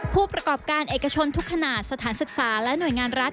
ผู้ประกอบการเอกชนทุกขนาดสถานศึกษาและหน่วยงานรัฐ